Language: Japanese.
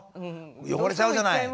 汚れちゃうじゃない」。